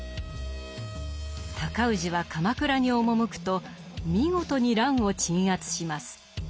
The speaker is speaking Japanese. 尊氏は鎌倉に赴くと見事に乱を鎮圧します。